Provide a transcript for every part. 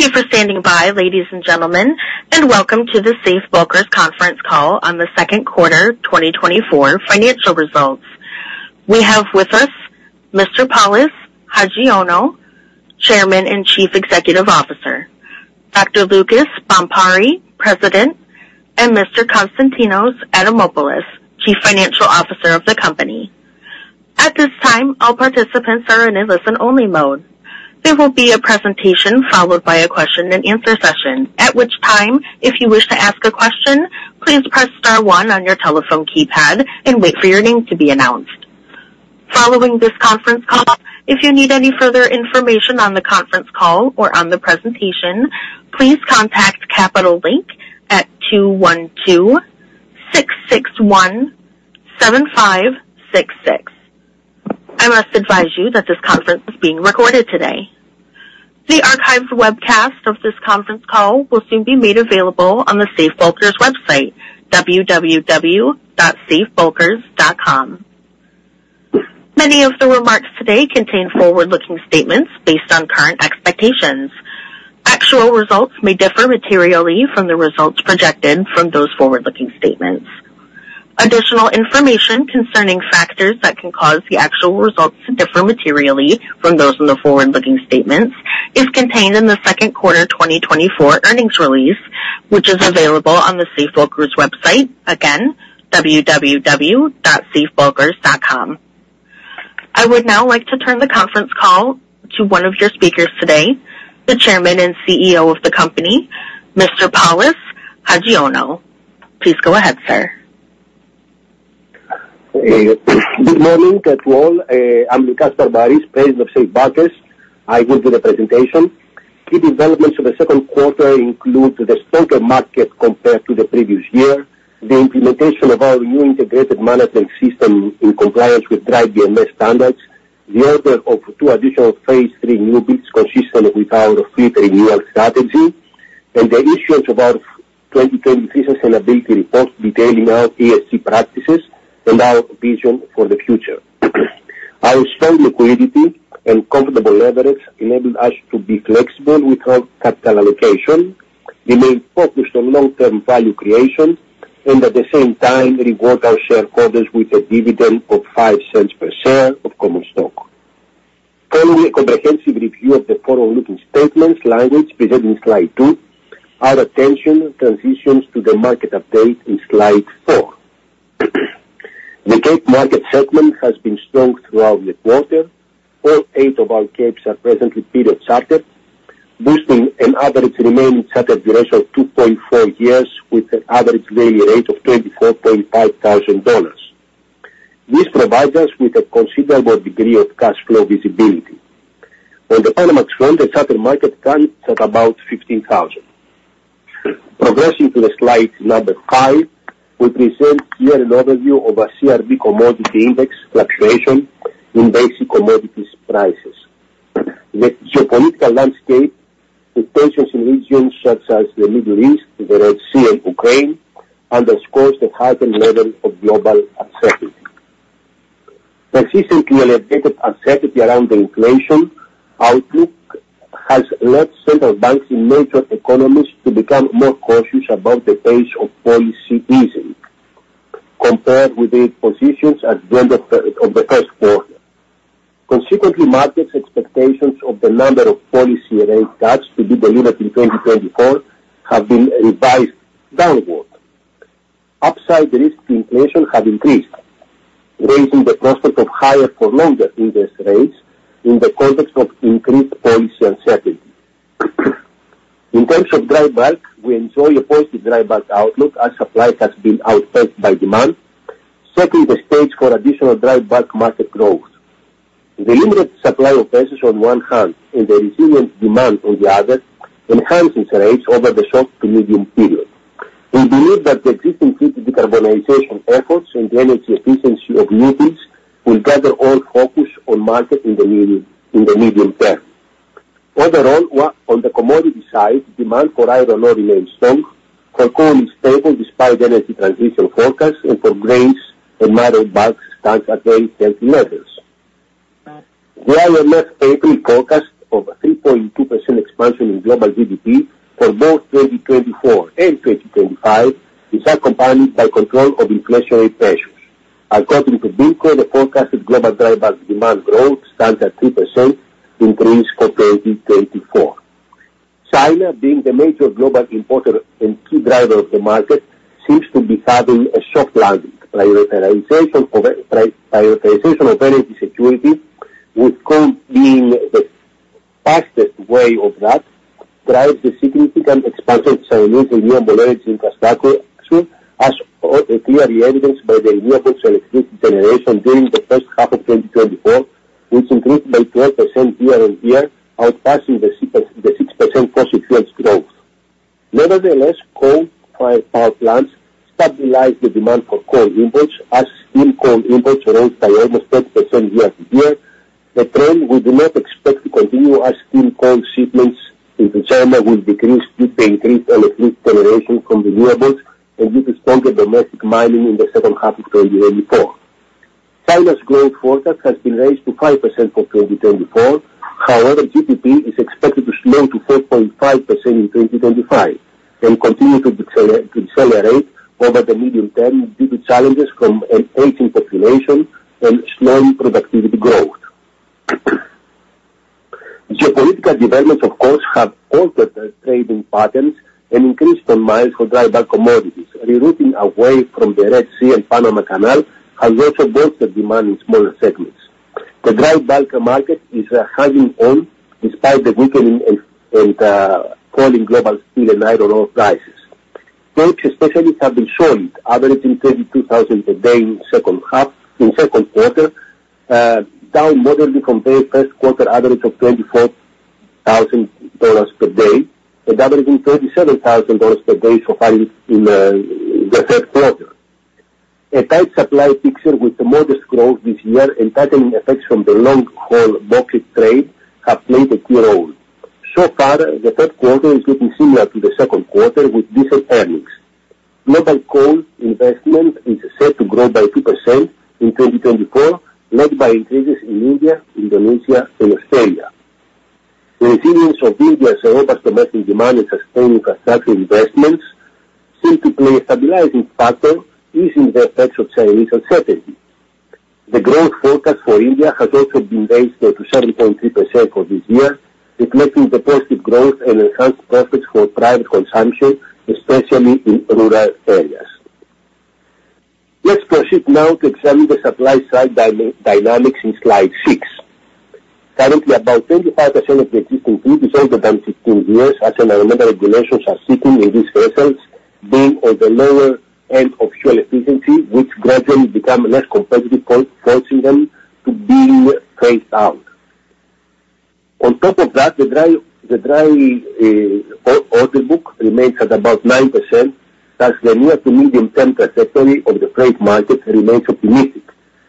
Thank you for standing by, ladies and gentlemen, and welcome to the Safe Bulkers conference call on the second quarter 2024 financial results. We have with us Mr. Polys Hajioannou, Chairman and Chief Executive Officer, Dr. Loukas Barmparis, President, and Mr. Konstantinos Adamopoulos, Chief Financial Officer of the company. At this time, all participants are in a listen-only mode. There will be a presentation followed by a question-and-answer session, at which time, if you wish to ask a question, please press star one on your telephone keypad and wait for your name to be announced. Following this conference call, if you need any further information on the conference call or on the presentation, please contact Capital Link at 212-661-7566. I must advise you that this conference is being recorded today. The archived webcast of this conference call will soon be made available on the Safe Bulkers website, www.safebulkers.com. Many of the remarks today contain forward-looking statements based on current expectations. Actual results may differ materially from the results projected from those forward-looking statements. Additional information concerning factors that can cause the actual results to differ materially from those in the forward-looking statements is contained in the second quarter 2024 earnings release, which is available on the Safe Bulkers website, again, www.safebulkers.com. I would now like to turn the conference call to one of your speakers today, the Chairman and CEO of the company, Mr. Polys Hajioannou. Please go ahead, sir. Good morning to all. I'm Loukas Barmparis, President of Safe Bulkers. I will do the presentation. Key developments of the second quarter include the stock market compared to the previous year, the implementation of our new integrated management system in compliance with DryBMS standards, the order of two additional phase three new builds consistent with our fleet renewal strategy, and the issuance of our 2023 sustainability report detailing our ESG practices and our vision for the future. Our strong liquidity and comfortable leverage enabled us to be flexible with our capital allocation, remain focused on long-term value creation, and at the same time reward our shareholders with a dividend of $0.05 per share of common stock. Following a comprehensive review of the forward-looking statements language presented in slide two, our attention transitions to the market update in slide four. The Capesize market segment has been strong throughout the quarter. All eight of our Capesizes are presently fixed chartered, with an average remaining chartered duration of 2.4 years with an average daily rate of $24,500. This provides us with a considerable degree of cash flow visibility. On the economics front, the chartered market stands at about 15,000. Progressing to the slide number five, we present here an overview of our CRB commodity index fluctuation in basic commodities prices. The geopolitical landscape, with tensions in regions such as the Middle East, the Red Sea, and Ukraine, underscores the heightened level of global uncertainty. Persistently elevated uncertainty around the inflation outlook has led central banks and major economies to become more cautious about the pace of policy easing, compared with their positions at the end of the first quarter. Consequently, markets' expectations of the number of policy rate cuts to be delivered in 2024 have been revised downward. Upside risks to inflation have increased, raising the prospect of higher for longer interest rates in the context of increased policy uncertainty. In terms of dry bulk, we enjoy a positive dry bulk outlook as supply has been outpaced by demand, setting the stage for additional dry bulk market growth. The limited supply of assets on one hand and the resilient demand on the other enhance interest rates over the short to medium period. We believe that the existing fleet decarbonization efforts and the energy efficiency of new builds will gather all focus on market in the medium term. Overall, on the commodity side, demand for iron ore remains strong, for coal is stable despite energy transition forecasts, and for grains and minor bulk stands at very healthy levels. The IMF April forecast of a 3.2% expansion in global GDP for both 2024 and 2025 is accompanied by control of inflationary pressures. According to BIMCO, the forecasted global dry bulk demand growth stands at 3% in three years for 2024. China, being the major global importer and key driver of the market, seems to be having a soft landing. Prioritization of energy security, with coal being the fastest way of that, drives the significant expansion of Chinese renewable energy infrastructure, as clearly evidenced by the renewable electricity generation during the first half of 2024, which increased by 12% year-on-year, outpacing the 6% fossil fuels growth. Nevertheless, coal power plants stabilize the demand for coal inputs, as steam coal inputs rose by almost 30% year-on-year. The trend we do not expect to continue as steam coal shipments into China will decrease due to the increased electricity generation from renewables and due to stronger domestic mining in the second half of 2024. China's growth forecast has been raised to 5% for 2024. However, GDP is expected to slow to 4.5% in 2025 and continue to decelerate over the medium term due to challenges from an aging population and slowing productivity growth. Geopolitical developments, of course, have altered the trading patterns and increased demand for dry bulk commodities. Rerouting away from the Red Sea and Panama Canal has also bolstered demand in smaller segments. The dry bulk market is hanging on despite the weakening and falling global steel and iron ore prices. Coke, especially, has been solid, averaging $32,000 per day in the second quarter, down moderately from their first quarter average of $24,000 per day and averaging $27,000 per day so far in the third quarter. A tight supply picture with modest growth this year and tightening effects from the long-haul bulk trade have played a key role. So far, the third quarter is looking similar to the second quarter with decent earnings. Global coal investment is set to grow by 2% in 2024, led by increases in India, Indonesia, and Australia. The resilience of India's robust domestic demand and sustained infrastructure investments seem to play a stabilizing factor, easing the effects of Chinese uncertainty. The growth forecast for India has also been raised to 7.3% for this year, reflecting the positive growth and enhanced profits for private consumption, especially in rural areas. Let's proceed now to examine the supply side dynamics in slide six. Currently, about 25% of the existing fleet is older than 15 years, as environmental regulations are sitting in these vessels, being on the lower end of fuel efficiency, which gradually become less competitive, forcing them to be phased out. On top of that, the dry order book remains at about 9%, as the near to medium-term trajectory of the freight market remains optimistic,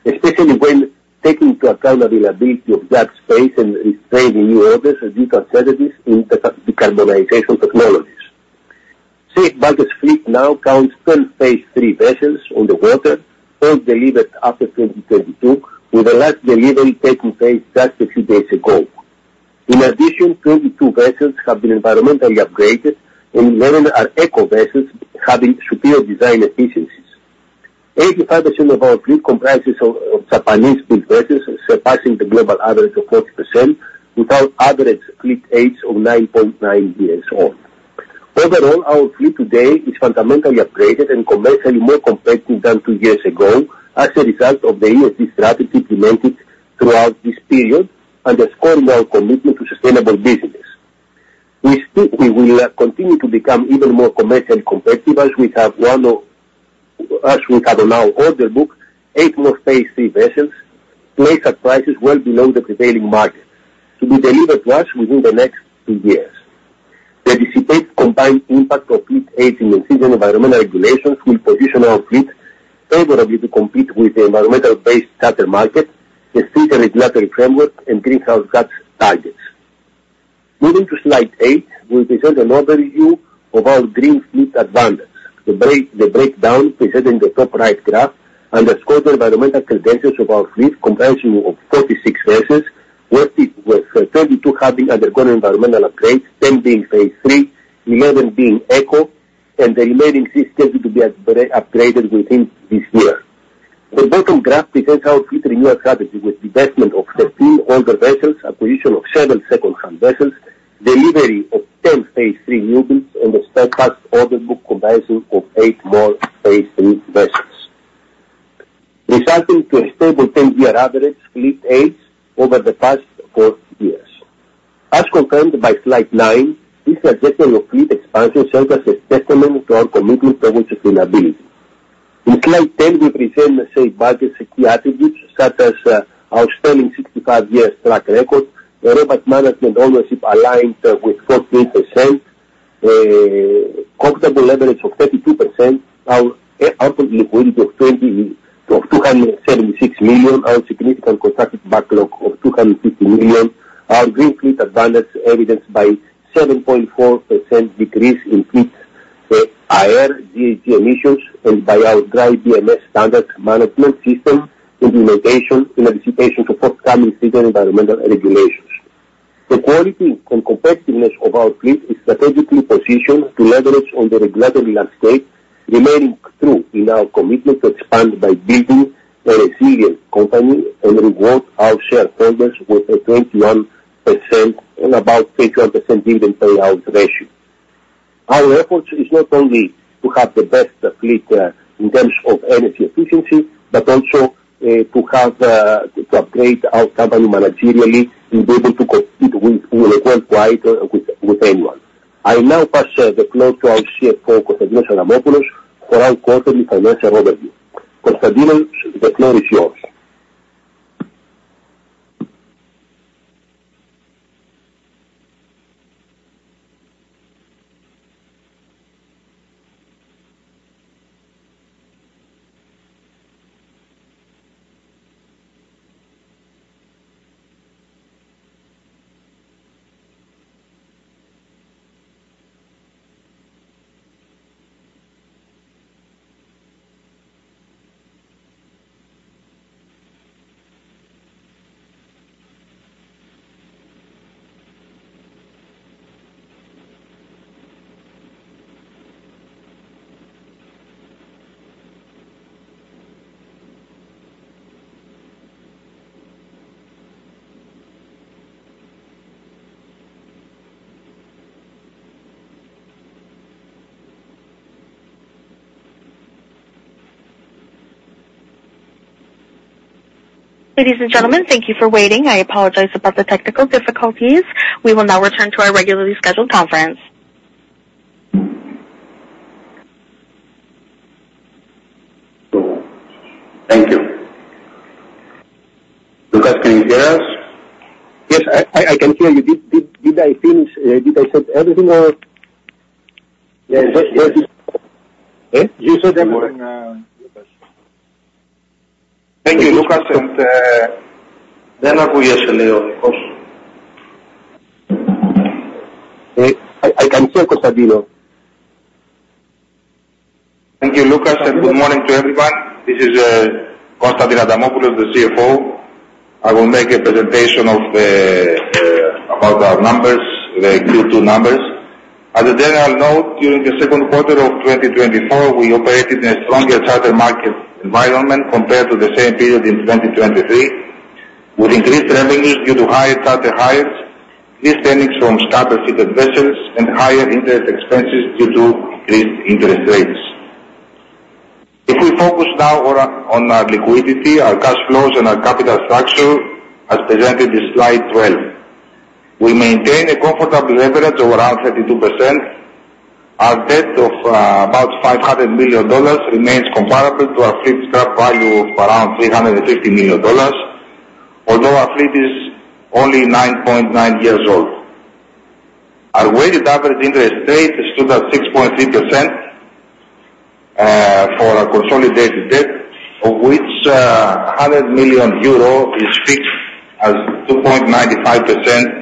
especially when taking into account availability of yard space and restraining new orders due to uncertainties in decarbonization technologies. Safe Bulkers Fleet now counts 12 phase three vessels on the water, all delivered after 2022, with the last delivery taking place just a few days ago. In addition, 22 vessels have been environmentally upgraded, and 11 are eco vessels having superior design efficiencies. 85% of our fleet comprises of Japanese-built vessels, surpassing the global average of 40%, with our average fleet age of 9.9 years old. Overall, our fleet today is fundamentally upgraded and commercially more competitive than two years ago as a result of the ESG strategy implemented throughout this period, underscoring our commitment to sustainable business. We will continue to become even more commercially competitive as we have now order booked eight more phase three vessels placed at prices well below the prevailing market to be delivered to us within the next two years. The anticipated combined impact of fleet age and impending environmental regulations will position our fleet favorably to compete with the environmentally-based charter market, the statutory regulatory framework, and greenhouse gas targets. Moving to slide eight, we present an overview of our green fleet advantage. The breakdown presented in the top right graph underscores the environmental credentials of our fleet, comprising of 46 vessels, with 32 having undergone environmental upgrades, 10 being Phase 3, 11 being eco, and the remaining 6 scheduled to be upgraded within this year. The bottom graph presents our fleet renewal strategy with the investment of 15 older vessels, acquisition of several second-hand vessels, delivery of 10 Phase 3 new builds, and a fast order book combination of 8 more Phase 3 vessels, resulting in a stable 10-year average fleet age over the past 4 years. As confirmed by slide nine, this adjustment of fleet expansion serves as a testament to our commitment towards sustainability. In slide 10, we present Safe Bulkers' key attributes such as our solid 65-year track record, a robust management ownership aligned with 14%, comfortable leverage of 32%, our open liquidity of $276 million, our significant contracted backlog of $250 million, our green fleet advantage evidenced by a 7.4% decrease in fleet's AER, GHG emissions, and by our DryBMS standard management system implementation in anticipation of forthcoming statutory environmental regulations. The quality and competitiveness of our fleet is strategically positioned to leverage on the regulatory landscape, remaining true to our commitment to expand by building a resilient company and reward our shareholders with a 21%, about 21% dividend payout ratio. Our effort is not only to have the best fleet in terms of energy efficiency, but also to upgrade our company managerially and be able to compete worldwide with anyone. I now pass the floor to our CFO, Konstantinos Adamopoulos, for our quarterly financial overview. Konstantinos, the floor is yours. Ladies and gentlemen, thank you for waiting. I apologize about the technical difficulties. We will now return to our regularly scheduled conference. Thank you. Loukas, can you hear us? Yes, I can hear you. Did I finish? Did I say everything or? Yes. You said everything. Thank you, Loukas. And then I will, yes, Leo, of course. I can hear you, Konstantinos. Thank you, Loukas. Good morning to everyone. This is Konstantinos Adamopoulos, the CFO. I will make a presentation about our numbers, the Q2 numbers. As a general note, during the second quarter of 2024, we operated in a stronger chartered market environment compared to the same period in 2023, with increased revenues due to higher chartered hires, distancing from chartered fleet vessels, and higher interest expenses due to increased interest rates. If we focus now on our liquidity, our cash flows, and our capital structure, as presented in slide 12, we maintain a comfortable leverage of around 32%. Our debt of about $500 million remains comparable to our fleet's current value of around $350 million, although our fleet is only 9.9 years old. Our weighted average interest rate stood at 6.3% for our consolidated debt, of which €100 million is fixed at 2.95%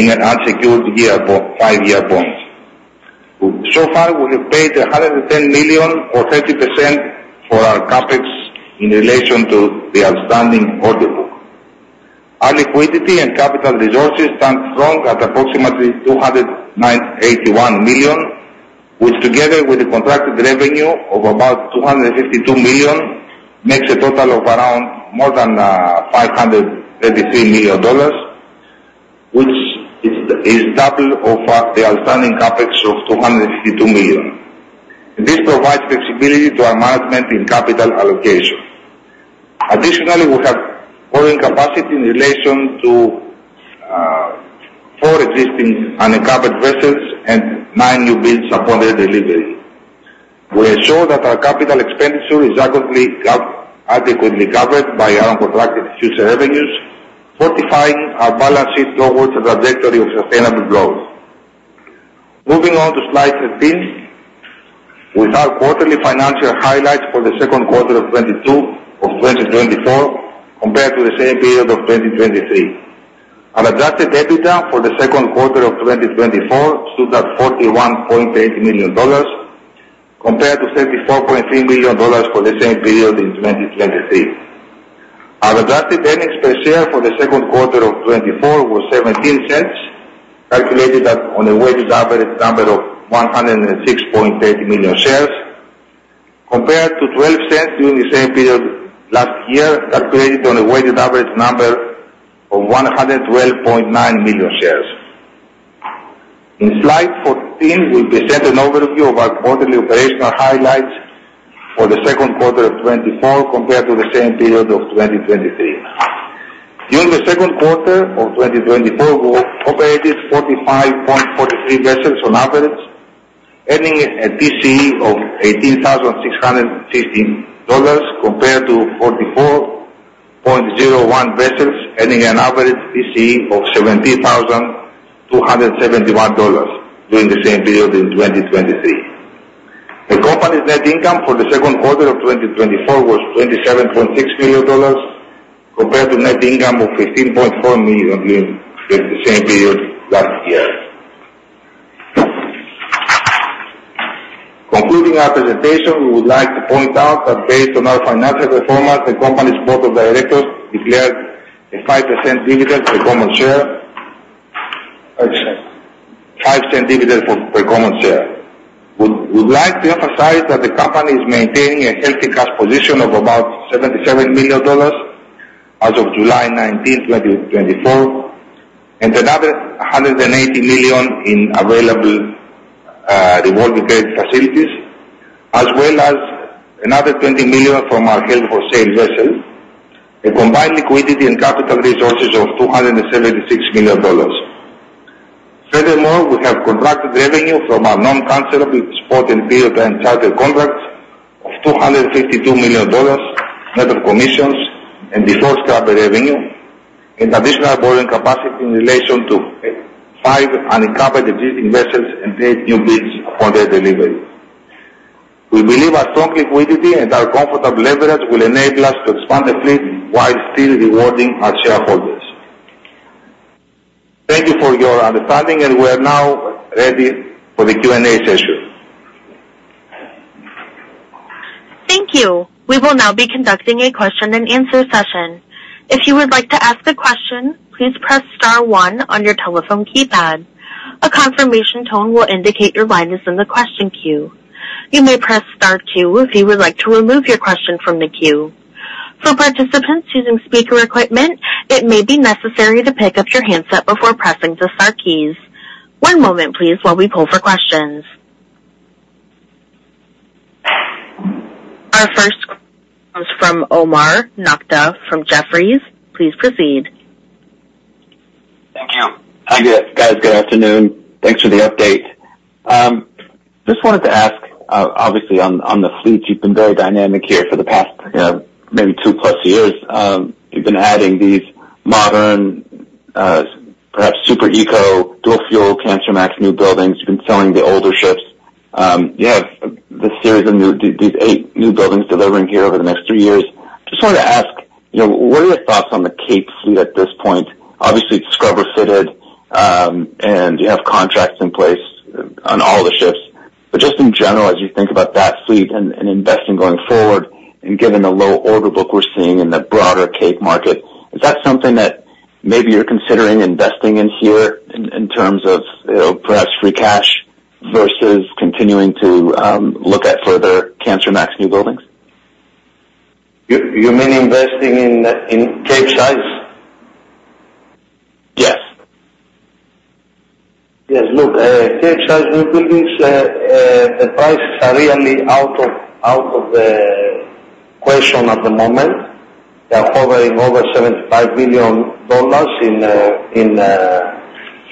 in an unsecured five-year bond. So far, we have paid 110 million, or 30%, for our CapEx in relation to the outstanding order book. Our liquidity and capital resources stand strong at approximately 281 million, which, together with the contracted revenue of about EUR 252 million, makes a total of around more than $533 million, which is double of the outstanding CapEx of 252 million. This provides flexibility to our management in capital allocation. Additionally, we have borrowing capacity in relation to four existing unencumbered vessels and nine new builds upon their delivery. We ensure that our capital expenditure is adequately covered by our contracted future revenues, fortifying our balance sheet towards a trajectory of sustainable growth. Moving on to slide 13, we have quarterly financial highlights for the second quarter of 2024 compared to the same period of 2023. Our adjusted EBITDA for the second quarter of 2024 stood at $41.8 million, compared to $34.3 million for the same period in 2023. Our adjusted earnings per share for the second quarter of 2024 were $0.17, calculated on a weighted average number of 106.8 million shares, compared to $0.12 during the same period last year, calculated on a weighted average number of 112.9 million shares. In slide 14, we present an overview of our quarterly operational highlights for the second quarter of 2024 compared to the same period of 2023. During the second quarter of 2024, we operated 45.43 vessels on average, earning a TCE of $18,615, compared to 44.01 vessels earning an average TCE of $17,271 during the same period in 2023. The company's net income for the second quarter of 2024 was $27.6 million, compared to net income of $15.4 million during the same period last year. Concluding our presentation, we would like to point out that based on our financial performance, the company's board of directors declared a 5% dividend per common share, $0.05 dividend per common share. We'd like to emphasize that the company is maintaining a healthy cash position of about $77 million as of July 19, 2024, and another $180 million in available revolving credit facilities, as well as another $20 million from our held-for-sale vessels, a combined liquidity and capital resources of $276 million. Furthermore, we have contracted revenue from our non-cancelable spot and period and chartered contracts of $252 million, net of commissions and default scrubber revenue, and additional borrowing capacity in relation to five unencumbered existing vessels and eight new builds upon their delivery. We believe our strong liquidity and our comfortable leverage will enable us to expand the fleet while still rewarding our shareholders. Thank you for your understanding, and we are now ready for the Q&A session. Thank you. We will now be conducting a question-and-answer session. If you would like to ask a question, please press star one on your telephone keypad. A confirmation tone will indicate your line is in the question queue. You may press star two if you would like to remove your question from the queue. For participants using speaker equipment, it may be necessary to pick up your handset before pressing the star keys. One moment, please, while we pull for questions. Our first question comes from Omar Nokta from Jefferies. Please proceed. Thank you. Hi, guys. Good afternoon. Thanks for the update. Just wanted to ask, obviously, on the fleet, you've been very dynamic here for the past maybe 2+ years. You've been adding these modern, perhaps super eco, dual-fuel Kamsarmax new buildings. You've been selling the older ships. You have this series of these 8 new buildings delivering here over the next three years. Just wanted to ask, what are your thoughts on the Cape fleet at this point? Obviously, it's scrubber-fitted, and you have contracts in place on all the ships. But just in general, as you think about that fleet and investing going forward, and given the low order book we're seeing in the broader Cape market, is that something that maybe you're considering investing in here in terms of perhaps free cash versus continuing to look at further Kamsarmax new buildings? You mean investing in Cape size? Yes. Yes, look, Capesize new buildings, the prices are really out of the question at the moment. They're hovering over $75 million in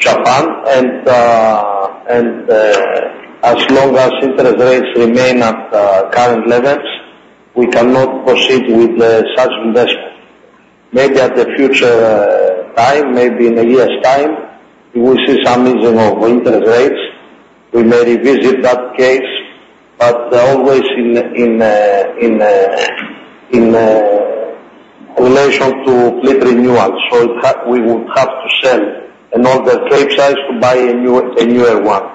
Japan. As long as interest rates remain at current levels, we cannot proceed with such investment. Maybe at a future time, maybe in a year's time, we will see some easing of interest rates. We may revisit that case, but always in relation to fleet renewal. We would have to sell an older Capesize to buy a newer one.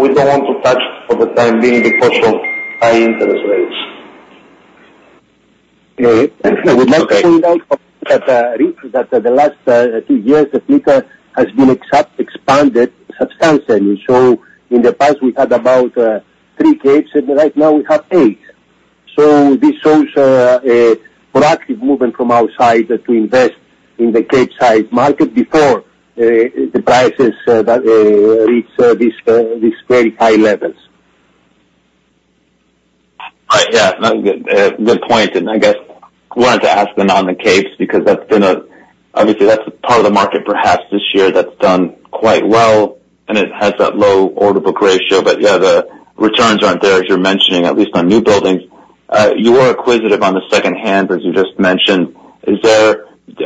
We don't want to touch for the time being because of high interest rates. Thanks. I would like to point out that the last two years, the fleet has been expanded substantially. So in the past, we had about three Capes, and right now we have eight. So this shows a proactive movement from our side to invest in the Cape size market before the prices reach these very high levels. Right. Yeah, good point. And I guess I wanted to ask then on the Capes because that's been a, obviously, that's part of the market perhaps this year that's done quite well, and it has that low order book ratio. But yeah, the returns aren't there, as you're mentioning, at least on new buildings. You were acquisitive on the second hand, as you just mentioned.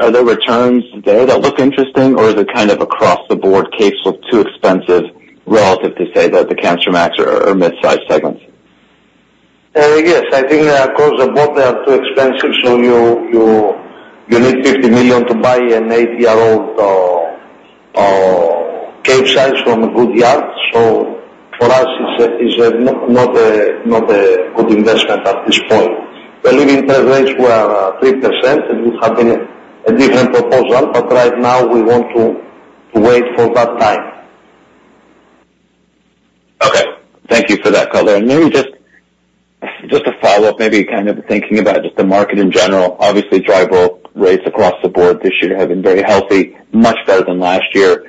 Are there returns there that look interesting, or is it kind of across the board Capes look too expensive relative to, say, the Kamsarmax or midsize segments? Yes, I think across the board they are too expensive. So you need $50 million to buy an 80-year-old Capesize from a good yard. So for us, it's not a good investment at this point. The prevailing interest rates were 3%. It would have been a different proposal, but right now we want to wait for that time. Okay. Thank you for that, color. And maybe just a follow-up, maybe kind of thinking about just the market in general. Obviously, dry bulk rates across the board this year have been very healthy, much better than last year.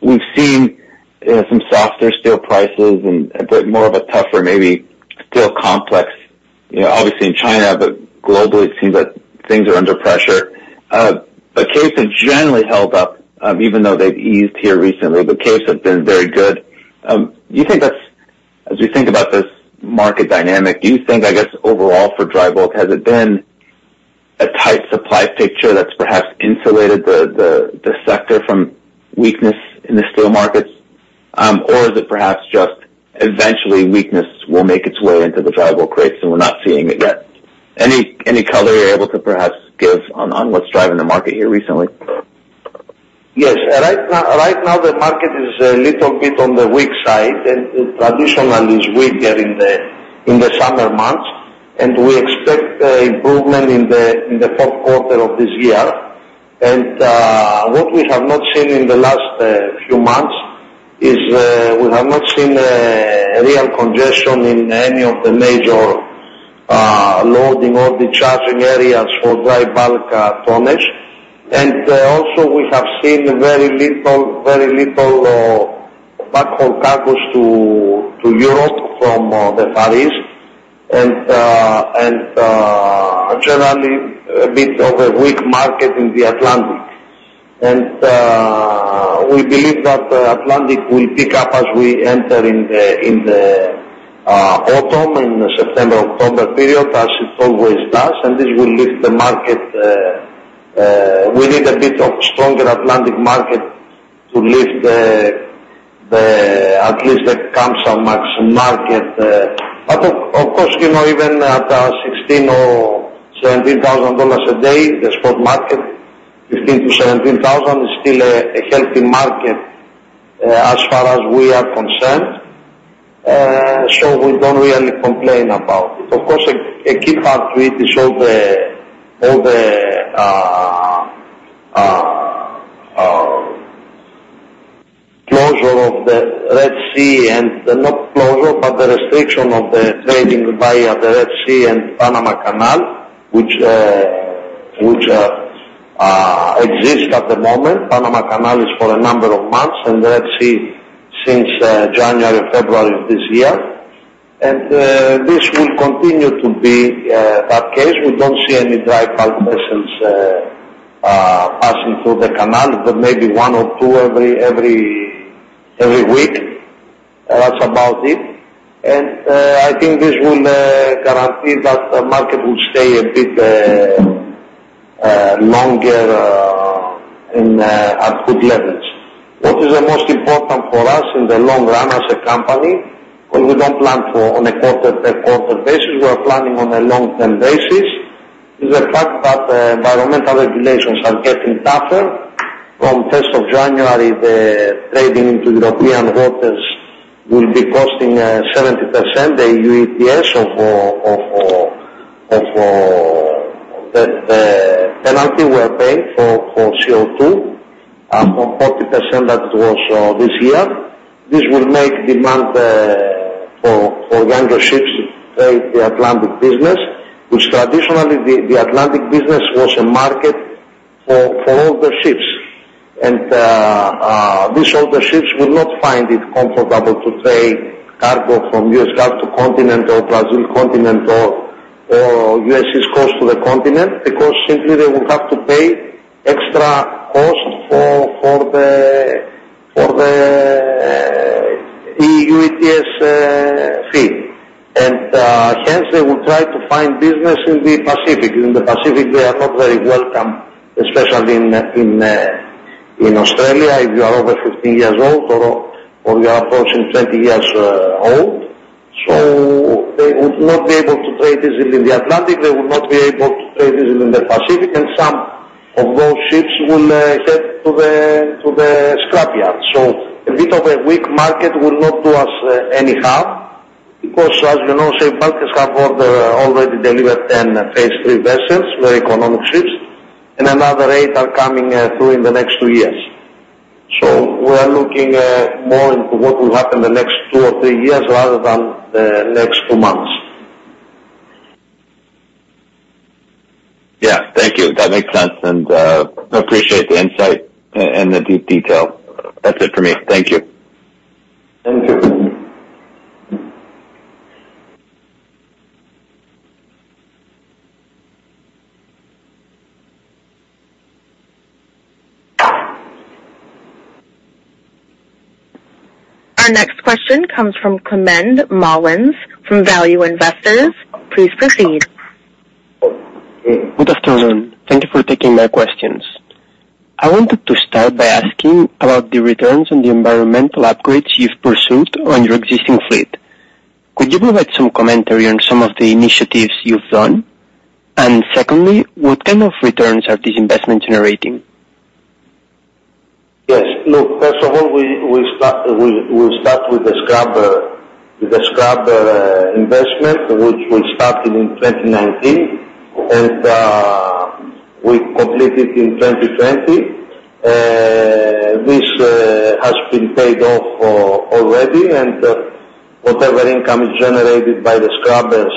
We've seen some softer steel prices and a bit more of a tougher, maybe steel complex. Obviously, in China, but globally, it seems that things are under pressure. But Capes has generally held up, even though they've eased here recently. But Capes has been very good. Do you think that's-as we think about this market dynamic, do you think, I guess, overall for dry bulk, has it been a tight supply picture that's perhaps insulated the sector from weakness in the steel markets? Or is it perhaps just eventually weakness will make its way into the dry bulk rates and we're not seeing it yet? Any color you're able to perhaps give on what's driving the market here recently? Yes. Right now, the market is a little bit on the weak side. Traditionally, it's weaker in the summer months. We expect improvement in the fourth quarter of this year. What we have not seen in the last few months is we have not seen real congestion in any of the major loading or discharging areas for dry bulk tonnage. Also, we have seen very little backhaul cargoes to Europe from the Far East, and generally a bit of a weak market in the Atlantic. We believe that the Atlantic will pick up as we enter in the autumn, in the September, October period, as it always does. This will lift the market. We need a bit of stronger Atlantic market to lift at least the Kamsarmax market. But of course, even at $16,000 or $17,000 a day, the spot market, $15,000-$17,000 is still a healthy market as far as we are concerned. So we don't really complain about it. Of course, a key part to it is all the closure of the Red Sea and not closure, but the restriction of the trading via the Red Sea and Panama Canal, which exists at the moment. Panama Canal is for a number of months, and the Red Sea since January, February of this year. And this will continue to be that case. We don't see any dry bulk vessels passing through the canal, but maybe one or two every week. That's about it. And I think this will guarantee that the market will stay a bit longer at good levels. What is the most important for us in the long run as a company? Well, we don't plan on a quarter-basis. We are planning on a long-term basis. It's the fact that environmental regulations are getting tougher. From the 1st of January, the trading into European waters will be costing 70% of the EU ETS penalty we're paying for CO2, from 40% that it was this year. This will make demand for younger ships to trade the Atlantic business, which traditionally the Atlantic business was a market for older ships. And these older ships will not find it comfortable to trade cargo from U.S. Gulf to continent or Brazil continent or U.S. East Coast to the continent because simply they will have to pay extra cost for the EU ETS fee. And hence, they will try to find business in the Pacific. In the Pacific, they are not very welcome, especially in Australia, if you are over 15 years old or you are approaching 20 years old. So they would not be able to trade easily in the Atlantic. They will not be able to trade easily in the Pacific. And some of those ships will head to the scrapyard. So a bit of a weak market will not do us any harm because, as you know, Safe Bulkers have already delivered 10 Phase 3 vessels, very economic ships, and another 8 are coming through in the next 2 years. So we are looking more into what will happen in the next 2 or 3 years rather than the next 2 months. Yeah. Thank you. That makes sense. And appreciate the insight and the deep detail. That's it for me. Thank you. Thank you. Our next question comes from Climent Molins from Value Investor's Edge. Please proceed. Good afternoon. Thank you for taking my questions. I wanted to start by asking about the returns on the environmental upgrades you've pursued on your existing fleet. Could you provide some commentary on some of the initiatives you've done? And secondly, what kind of returns are these investments generating? Yes. Look, first of all, we'll start with the scrubber investment, which we started in 2019, and we completed in 2020. This has been paid off already. Whatever income is generated by the scrubbers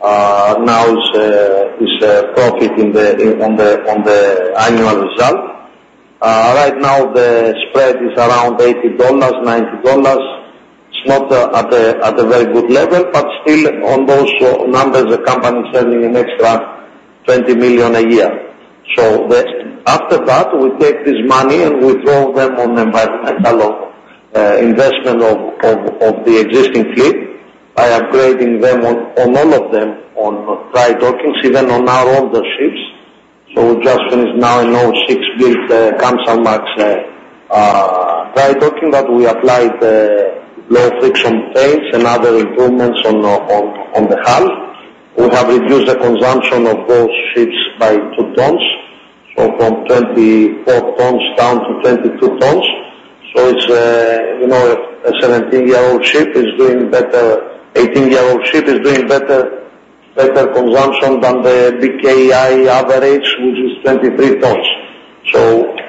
now is a profit on the annual result. Right now, the spread is around $80-$90. It's not at a very good level, but still on those numbers, the company is earning an extra $20 million a year. After that, we take this money and we throw them on the environmental investment of the existing fleet by upgrading them on all of them on dry dockings, even on our older ships. We just finished now an 16-year-old Kamsarmax dry docking that we applied low friction paints and other improvements on the hull. We have reduced the consumption of those ships by two tons, so from 24 tons down to 22 tons. It's a 17-year-old ship. It's doing better. An 18-year-old ship is doing better consumption than the big Capesize average, which is 23 tons.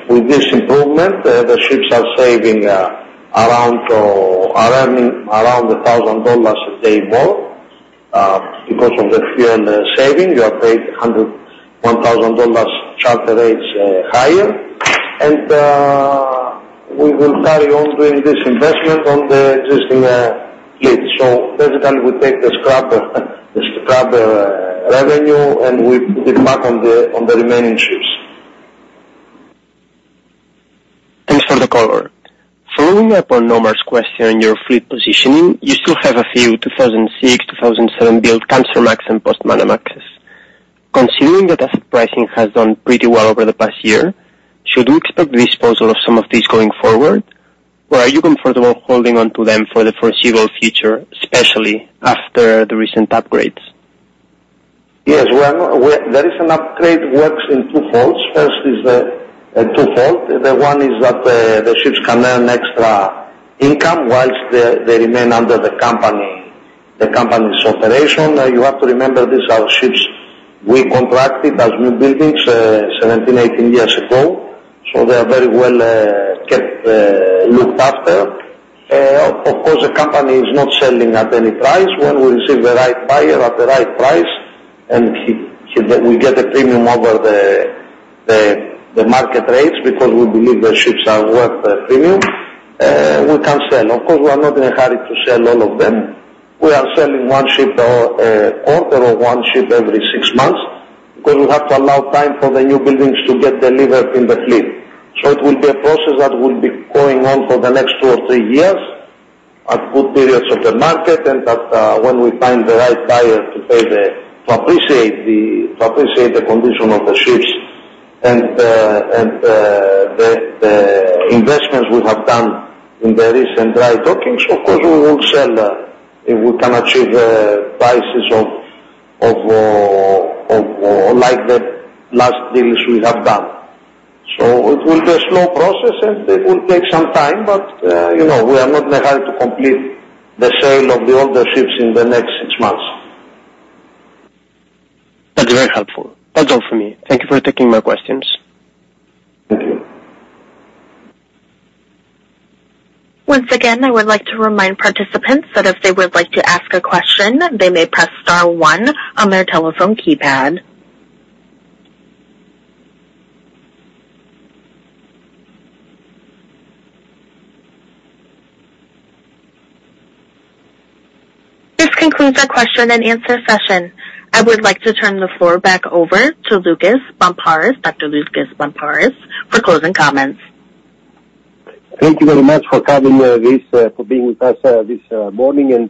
With this improvement, the ships are saving around $1,000 a day more because of the fuel saving. You are paid $1,000 charter rates higher. We will carry on doing this investment on the existing fleet. Basically, we take the scrubber revenue and we put it back on the remaining ships. Thanks for the caller. Following up on Omar's question on your fleet positioning, you still have a few 2006, 2007-built Kamsarmax and Post-Panamax. Considering that asset pricing has done pretty well over the past year, should we expect the disposal of some of these going forward? Or are you comfortable holding on to them for the foreseeable future, especially after the recent upgrades? Yes. Well, there is an upgrade that works in two folds. First is the two-fold. The one is that the ships can earn extra income while they remain under the company's operation. You have to remember these are ships we contracted as new buildings 17, 18 years ago. So they are very well kept, looked after. Of course, the company is not selling at any price. When we receive the right buyer at the right price and we get a premium over the market rates because we believe the ships are worth the premium, we can sell. Of course, we are not in a hurry to sell all of them. We are selling one ship quarter or one ship every six months because we have to allow time for the new buildings to get delivered in the fleet. So it will be a process that will be going on for the next two or three years at good periods of the market and when we find the right buyer to appreciate the condition of the ships and the investments we have done in the recent dry dockings. Of course, we will sell if we can achieve prices like the last deals we have done. So it will be a slow process, and it will take some time, but we are not in a hurry to complete the sale of the older ships in the next six months. That's very helpful. That's all for me. Thank you for taking my questions. Thank you. Once again, I would like to remind participants that if they would like to ask a question, they may press star one on their telephone keypad. This concludes our question and answer session. I would like to turn the floor back over to Loukas Barmparis, Dr. Loukas Barmparis, for closing comments. Thank you very much for having this, for being with us this morning and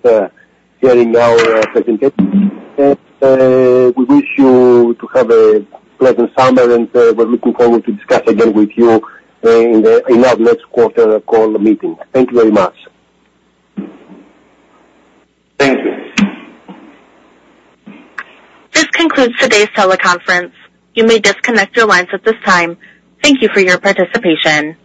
hearing our presentation. We wish you to have a pleasant summer, and we're looking forward to discussing again with you in our next quarter call meeting. Thank you very much. Thank you. This concludes today's teleconference. You may disconnect your lines at this time. Thank you for your participation.